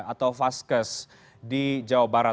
atau vaskes di jawa barat